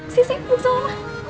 sisi buk sama mama